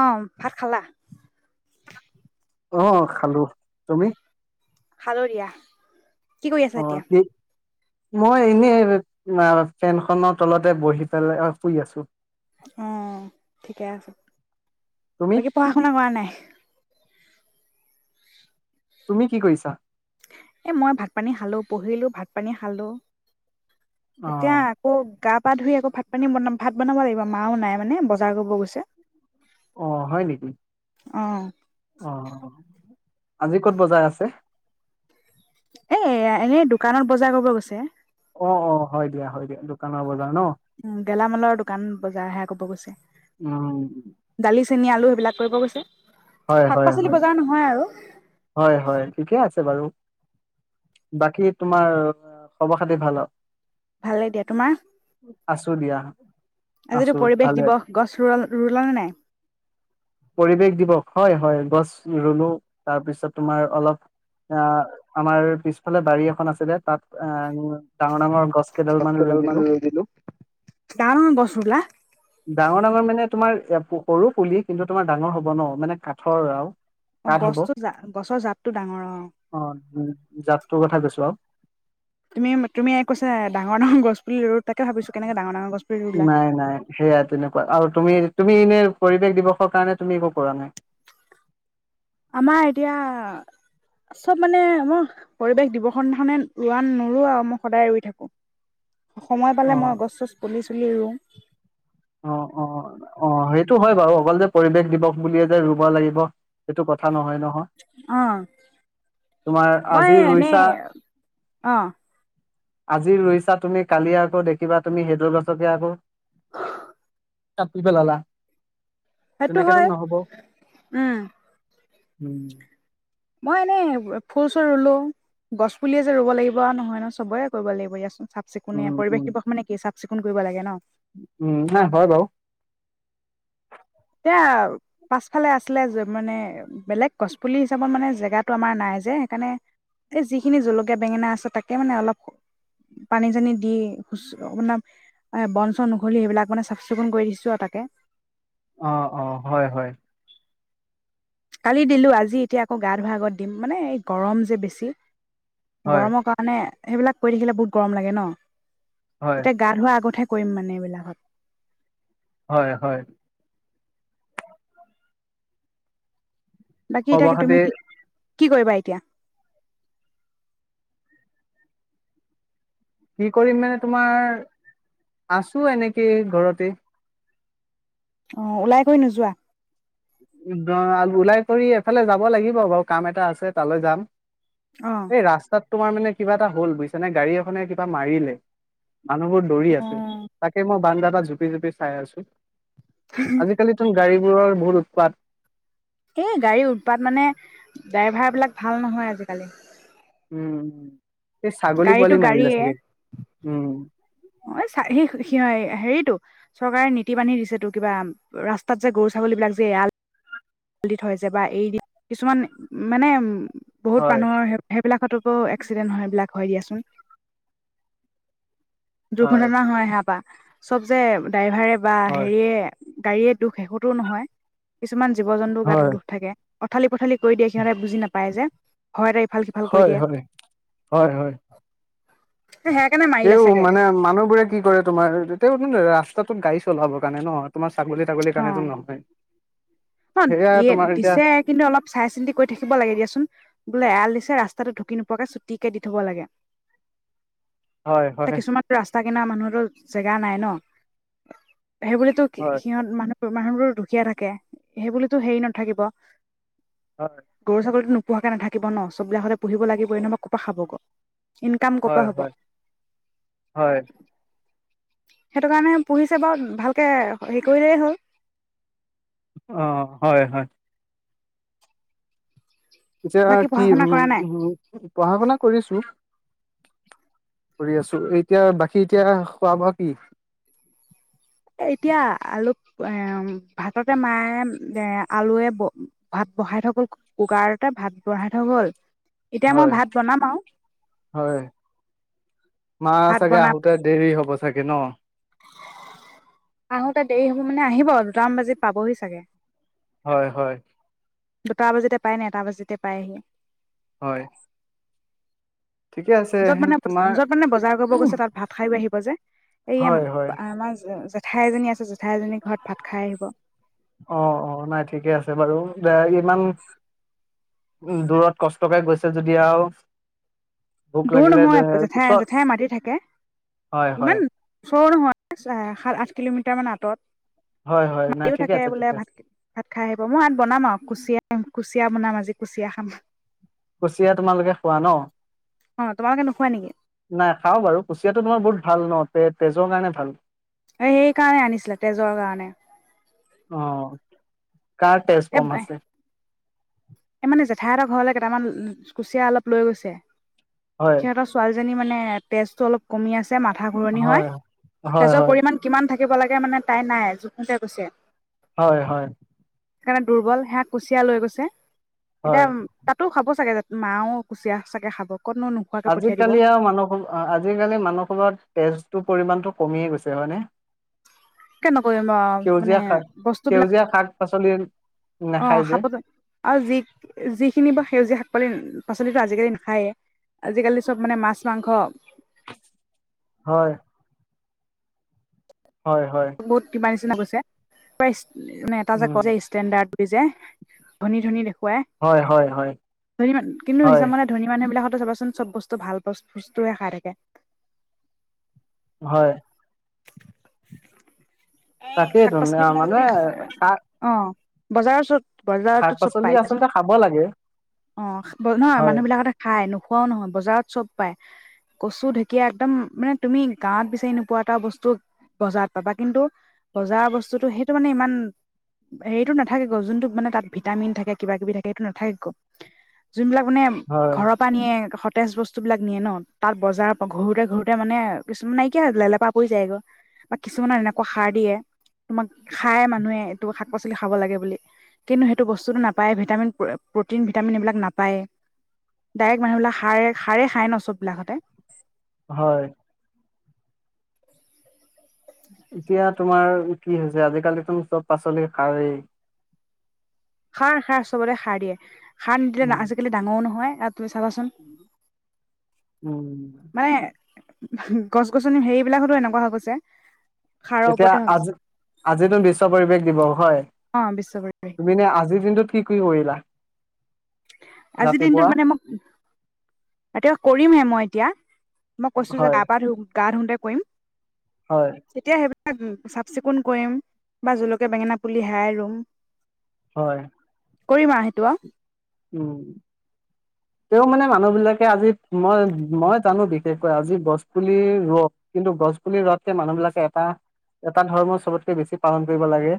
অ ভাত খালা? অহ খালো তুমি? খালোঁ দিয়া। কি কৰি অ আছা এতিয়া? কি মই এনেই অ ফেনখনৰ তলতে বহি পেলাই অ শুই আছোঁ। অ ঠিকে আছে, তুমি বাকী পঢ়া শুনা কৰা নাই? তুমি কি কৰিছা? এ মই ভাত পানী খালোঁ পঢ়িলোঁ ভাত পানী খালোঁ। অ এতিয়া আকৌ গা।। পা ধুই এই বোৰ ভাত পানী বনা ভাত বনাব লাগিব। মাও নাই মানে বজাৰ কৰিব গৈছে। অ হয় নেকি? অ। অ আজি ক'ত বজাৰ আছে? এইয়া এনে দোকানত বজাৰ কৰিব গৈছে। অ অ হয় দিয়া হয় দিয়া দোকানৰ বজাৰ। ন উ গেলামালৰ দোকান বজাৰ হে কৰিব গৈছে উম দালি।। চেনি আলু সেইবিলাক কৰিব গৈছে। হয় শাক হয় পাচলি হয় বজাৰ নহয় আৰু। হয় হয় ঠিকে আছে বাৰু বাকী তোমাৰ খবৰ খাতি ভাল আৰু? ভালেই দিয়া তোমাৰ? দিয়া আছো আজিটো পৰিৱেশ ভালে দিৱস গছ ৰুলা ৰুলা নাই? পৰিৱেশ দিবস হয় হয় গছ ৰুলো। তাৰপিছত তোমাৰ অলপ আহ আমাৰ পিছফালে বাৰী এখন আছে যে, তাত আহ ডাঙৰ ডাঙৰ গছ।। গছ কেইডাল মান ৰুই দিলো ডাঙৰ গছ ৰুলা? ডাঙৰ ডাঙৰ মানে তোমাৰ সৰু পুলি কিন্তু তোমাৰ ডাঙৰ হ'ব ন মানে কাঠৰ আৰু। কাঠ হব অ গছটো জা গছৰ জাতটো ডাঙৰ অ জাতটোৰ কথা কৈছো আৰু।। তুমি তুমি কৈছা ডাঙৰ ডাঙৰ গছ পুলি ৰুলো। নাই নাই সেয়া তেনেকুৱা আৰু তুমি তুমি এনে? পৰিৱেশ দিৱসৰ কাৰণে তুমি একো কৰা নাই? আমাৰ এতিয়া চব মানে মই পৰিৱেশ দিৱসৰ দিনা খনে নোৰো আৰু মই সদায় ৰুই থাকো। সময় অ পালে মই গছ ছচ পুলিছো পুলি ৰুউ অ অ অ সেইটো হয় বাৰু অকল যে পৰিৱেশ দিৱস বুলিয়ে যে ৰুব লাগিব সেইটো কথা নহয়। নহয় অ তোমাৰ মই আজি ৰুইছা এনেই আহ আজি ৰুইছা তুমি কালি আকৌ দেখিবা তুমি সেইদুৰ গছকে আকৌ কাটি পেলালা। সেইটো তেনেকেতো হয় নহ'ব উম উম মই এনে ফুল চুল ৰুলো গছ পুলিয়ে যে ৰুব লাগিব নহয় নহ চবৰে কৰিব লাগিব ইয়াচোন চাফ চিকুণে উম উম পৰিৱেশ দিৱস মে কি চা চিকুণ কৰিব লাগে ন উম হা হয় বাৰু এ পাছফালে আছিলে মানে বেলেগ গছপুলি হিচাপত মানে জেগাতটো আমাৰ নাই যে সেইকাৰণে এই যিখিনি জলকীয়া বেঙেনা আছে তাকে মানে অলপ পানী চানী দিু ম বন চন উঘৰি সেইবিলাক মানে চাফ চিকুণ কৰি দিছো আৰু তাকে অ অ হয় হয় কালি দিলোঁ আজি এতিয়া আকৌ গা ধোৱা আগত দিম মানে এই গৰম যে বেছি হয় গৰমৰ কাৰণে সেইবিলাক কৰি দেখিলে বহুত গৰম লাগে ন হয় এতিয়া গা ধোৱা আগতহে কৰিম মানে এইবিলাকত হয় হয় বাকী এ খবৰ তাকে খাতি তুমি কি কৰিবা এতিয়া কি কৰিম মানে তোমাৰ আছো এনেকে ঘৰতে অ ওলাই গৈ নোযোৱা অ ওলাই কৰি এফালে যাব লাগিব বাৰু কাম এটা আছে তালৈ যাম অ এই ৰাস্তাত তোমাৰ মানে কিবা এটা হ'ল বুজিছ নে গাড়ী এখনে কিবা মাৰিলে মানুহবোৰ দৌৰি আছে তাকে মই বান্জা জঝুপি ঝুপি চাই আছো আজিকালি টো গাড়ীবোৰৰ পাত এই গাড়ীৰ উৎপাত মানে ড্ৰাইভাৰ বিলাক ভাল নহয় আজিকালি উম ছাগলী গাড়ীটো পোৱালি মাৰিবিললে চাগে উম অ চ স সি হেৰিতটো চৰকাৰে নীতি বান্ধি দিছেতো কিবা ৰাস্তাত যে গৰু ছাগলী বিলাক যে এৰাল দি থৈ যে বা এইদ কিছুমান মানে উ বহুত হয়, মানুহৰ সেইবিলাকতো এক্সিডেন্ট হয়বলাক হয় দিয়াচোন দুৰ্ঘটনা হয় হেয়া বা চব যে ড্ৰাইভাৰে বা হয়, হেৰিয়ে গাড়ীয়ে দুখ শেতো নহয় কিছুমান জীৱ জন্তুৰ গাটো হয়, দুখ থাকে। পথালি পথালি কৰি দিয়ে সিহঁতে বুজি নাপায় যে, ভয়তে ইফাল সিফাল কৰি হয় দিয়ে হয় হয় হয় সেয়া কাৰণে মাৰিলে তেও চাগে মানে মানুহবোৰে কি কৰে তোমাৰ তে ৰাস্তা ত গাডী চলাব কাৰণে নহ তোমাৰ ছাগলী তাগলীৰ অ কাৰণেতো নহয় অ সেয়া দিয়ে তোমাৰ এতিয়া দিছে কিন্তু অলপ চাই চিন্তি কৰি থাকিব লাগে দিয়াচোন বোলে এৰাল দিছে ৰাস্তা ৰাস্তাটো ঢুকি নোপোৱাকৈ চুটিকে দি থ'ব লাগে হয়, এয়া হয়, কিছুমান ৰাস্তা কিনা মানুহতো জেগা নাই ন সেইবুলিতো কি? হয়, মানুহ মানুহবোৰ দুখীয়া থাকে সেইবুলিতো হেৰি নাথাকিব হয়, গৰু ছাগলীতো ন পোহাকে নাথাকিব ন চবিলাক হলে পুহিব লাগিব এনেহবা ক'ৰপা খাবগ ইনকাম ক'পা হয়, হ'ব? হয়, হয়, সেইটো কাৰণে পোহিছে বাৰু ভালকে হে কৰিলেই হ'ল অ হয় হয় এতিয়া বাকী কি পঢ়া শুনা উ কৰা নাই। পঢ়া শুনা কৰিছো কৰি আছো এতিয়া বাকী এতিয়া খোৱা বোৱা কি? এতিয়া অলপ এ ভাততে মায়ে এ আলুৱে ভাত বহাই থৈ গ'ল কুকাৰতে ভাত বহাই থৈ গ'ল এতিয়া মই হয়, ভাত বনাম আৰু হয়, মা ভাত চাগে বনাম আহোতে দেৰি হ'ব তাকে ন! আহোতে দেৰি হ'ব মানে আহিব দুটামান বাজিত পাবহি চাগে! হয়! হয়! দুটা বজাতে পাই ন এটা বজাতে পাইহি হয়, ঠিকে আছে য'ত মানে, তোমাৰ য'ত মানে বজাৰ কৰিব গৈছে তাত ভাত খাইও আহিব যে। এই হয় হয় আমাৰ জেঠাইএজনী আছে। জেঠাই এজনীৰ ঘৰত ভাত খাই আহিব অ অ নাই ঠিকে আছে বাৰু। এ ইমান দূৰত কষ্টকে গৈছে যেতিয়া আৰু। ভোক দূৰ লাগিলে দে, নহয় জেঠাই ওচৰত জেঠায়ে মাতি থাকে। হয় হয় ইমান ওচৰো নহয়। সাত-আঠ কিলোমিটাৰ মান হয় হয় আঁতৰত। নাই মাতিও ঠিকে থাকে আছে বোলে ঠিকে আছে ভাত ভাত খাই আহিব। মই ইয়াত বনাম আৰু কুচিয়া। কুচিয়া বনাম আজি কুচিয়া খাম। কুচিয়া তোমালোকে খোৱা ন',? অ তোমালোকে নোখোৱা নেকি নাই খাও বাৰু কুচিয়াটো তোমাৰ বহুত ভাল ন', - তে- তেজৰ কাৰণে ভাল। সেই কাৰণে আনিছিলে, তেজৰ কাৰণে। অ', - কাৰ তেজ কম এ আছে? এই, মানে জেঠাই হঁতৰ ঘৰলে কেইটামান, কুচিয়া অলপ লৈ গৈছে। হয় সিহঁতৰ ছোৱালী, ছোৱালীজনীৰ মানে তেজতো অলপ, কমি আছে মাথা ঘুৰণি হয়। হয় তেজৰ হয় পৰিমাণ কিমান থাকি, থাকিব লাগে মানে তাই, নাই জোখোতে কৈছে। হয় ', - হয়', সেইকাৰণে দুৰ্বল, সেয়া কুচিয়া লৈ গৈছে। এতিয়া হয় তাতো খাব চাগে। মাওঁ কুচিয়া চাগে খাব। ক'তনো নোখোৱাকে পঠিয়াই দিব। আজিকালি আৰু মানুহৰ আজিকালি মানুহবোৰৰ তেজটোৰ পৰিমানতটো, কমিয়ে গৈছে হয়নে? কিয় নকৰিম আৰু মানে সেউজীয়া শাক বস্তু বিলাক, সেউজীয়া শাক পাচলি নাখায় অ', যে শাক- পাচলি, আৰু যি', - যিখিনি বা সেউজীয়া শাক- পাচলি, পাচলিতো আজিকালি নাখায়েই। আজিকালি চব মানে মাছ-মাংস, হয়',। হয় হয় বহুত কিবা, [unintelligible] মানে এটা যে', উম কৰে ষ্টেণ্ডাৰ্ড। এই যে', ধনী -ধনী দেখুৱাই। দেখুৱাই। হয় হয় হয় ধনী মানুহ, কিন্তু হয় হিচাপ মতে ধনী মানুহ বিলাকক, চাবাচোন চব বস্তু ভাল বস্তুয়ে খাই থাকে। হয়। এই, শাক তাকেইতো পাচলিবিলাক মানে যদি, শাক অ', -। বজাৰৰ ওচৰত শাক বজাৰতটো চব পাচলি পাই দিয়াচোন আচলতে খাব লাগে অ', নহয় হয় মানুহ বিলাকতে খাই নোখোৱাও নহয়, বজাৰত চব পাই কচু-ঢেঁকীয়া একদম মানে তুমি গাঁৱত বিচাৰি নোপোৱা, বস্তু বজাৰত পাবা কিন্তু বজাৰৰ বস্তুটো সেইটো মানে ইমান হেৰিটো নাথাকে গ', যোনটো মানে তাত ভিটামিন থাকে কিবা-কিবি থাকে সেইটো নাথাকে গ, যোনবিলাক মানে হয় ঘৰৰ পৰা নিয়ে স ফ্ৰেছ বস্তুবিলাক নিয়ে ন', তাত বজাৰ ঘোৰোতে-ঘোৰোতে মানে কিছুমান নাইকিয়া হৈপেলায়। হৈ যায় গৈ বা, কিছুমানৰ এনেকুৱা সাৰ দিয়ে তোমাক খায় মানুহে এই শাক পাচলি খাব লাগে বুলি কিন্তু সেইটো বস্তুটো নাপায়, ভিটামিন - প্ৰটিন- ভিটামিন এইবিলাক নাপায়েই, ডাইৰেক্ট মানুহবিলাকে সাৰে -সাৰে খায় ন', চববিলাকতে। হয়। এতিয়া তোমাৰ কি হৈছে আজিকালি তোম চব পাচলি খাৱেই। খাৰ খাৰ চবতে সাৰ দিয়ে সাৰ নিদিলে উম আজিকালি ডাঙৱো নহয়। আৰু তুমি চাবাচোন উম মানে গছ-গছনি হেৰিবিলাকতো এনেকুৱা হৈ গৈছে। সাৰৰ এতিয়া ওপৰতে হৈ গৈছে আজি, আজিতো বিশ্ব পৰিৱেশ দিৱস। হয়। অ' বিশ্ব পৰিৱেশ তুমি দিৱস নে আজিৰ দিনটোত কি কি কৰিলা? আজিৰ ৰাতিপুৱা দিনটোত মানে মোক, এতিয়া কৰিমহে মই এতিয়া। মই কৈছো যে হয় গাপা ধুম। গা ধুওতে কৰিম। হয় তেতিয়া হেইব [unintelligible] চাফ চিকুণ কৰিম, বা জলকীয়া বেঙেনা পুলি হেয়াই ৰুম। হয়। কৰিমা সেইটোআ উম, তেওঁ মানে মানুহবিলাকে আজি মই, মই জানো বিশেষকৈ আজি গছ পুলি ৰোৱক, কিন্তু গছ পুলি ৰোৱাতকে মানুহবিলাকে এটা, এটা ধৰ্ম চবতকে বেছি পালন কৰিব লাগে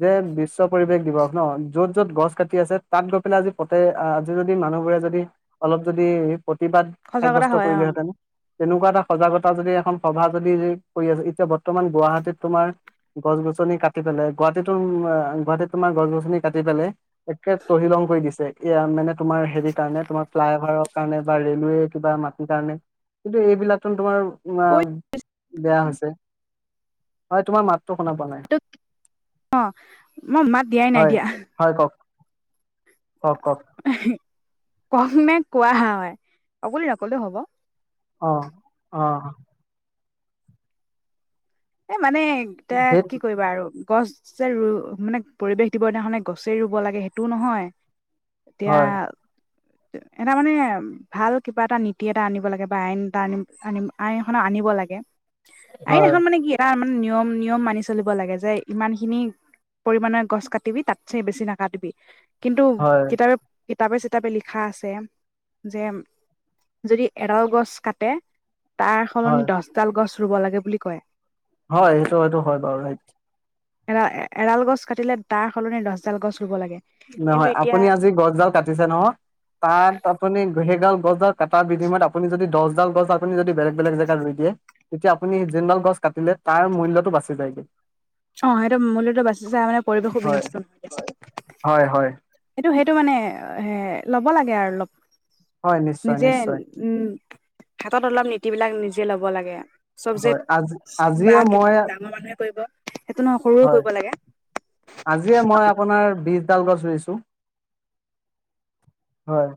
যে বি উচ্চ পৰিৱেশ দিৱস ন য'ত য'ত গছ কাটি আছে তাত গৈ পেলাই আজি ত'তে আজি যদি মানুহবোৰে যদি অলপ যদি প্ৰতিবাদ সঁচা কথা সাব্যস্ত হয় অ কৰিলোহেঁতেন। তেনেকুৱা এটা সজাগতা যদি এখন সভা যদি কৰি আছে এতিয়া বৰ্তমান গুৱাহাটীত তোমাৰ গছ-গছনি কাটি পেলাই গুৱাহাটীতো অম গুৱাহাটীত তোমাৰ গছ গছনি কাটি পেলাই একে তহিলং কৰি দিছে। এ মানে তোমাৰ হেৰিৰ কাৰণে তোমাৰ ফ্লাই অভাৰৰ কাৰণে বা ৰেলৱে কিবা মাটি কাৰণে, কিন্তু এইবিলাকটো তোমাৰ কৰি অম বেয়া হৈছে, হয় তোমাৰ মাত [unintelligible] অ মই মাত দিয়াই নাই হয় দিয়া। হয় কওক কওক কওক কম নে কোৱা হা হয় অকলে নকলেও হব অ, অ এ মানে এতিয়া সেই কি কৰিবা আৰু গছ যে ৰু, মানে পৰিৱেশ দিব দিনাখনি গছেই ৰুব লাগে সেইটোও নহয় এতিয়া হয় এটা মানে ভাল কিবা এটা নীতি এটা আনিব লাগে বা আইন এটা আনিম আনিম আইন এখন আনিব লাগে। আ হয় [unintelligible] মানে কি তাৰ মানে নিয়ম নিয়ম মানি চলিব লাগে যে ইমান খিনি পৰিমমানৰ গছ কাটিবি তাতছে বেছি নাকাটিবি কিন্তু হয় কিতাপে কিতাপে চিতাপে লিখা আছে যে যদি এৰাল গছ কাটে তাৰ সলনি হয় দহডাল গছ ৰুব লাগে বুলি কয় হয় সেইটো সেইটো হয় বাৰু সেইটো এৰা এৰাাল গছ কাটিলে তাৰ সলনি দছডাল গছ ৰুব লাগে কিন্তু নহয় এতিয়া আপুনি আজি গছডাল কাটিছে নহয় তাত আপুনি গেগাল বজ এটা বিনিময়ত আপুনি যদি দ ছ আপনি যদি বেলেগ বেলেগ জেগাত ৰৈ দিয়ে তেতিয়া আপুনি যেনডল গছ কাটিলে তাৰ মূল্যটো বাচি যায়গৈ অ সেইটো মূলতো বাচিছোই মানে পৰিৱেশ সু হয় বিনষ্ট নহয় হয় হয় টো মানে ল'ব লাগে আৰু অলপ হয় নিশ্চয় নিজে নিশ্চয় উম হাতত অলপ নীতি বিলাক নিজে ল'ব লাগে চবজেক্ হয় আজি বা আজিয়ে মই ডাঙৰ মানুহে কৰিব সেইটো নহয় সৰুও হয় কৰিব লাগে আজিয়ে মই আপোনাৰ বি চতাল গছ ৰুইছো হয়